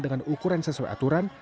dengan ukuran sesuai aturan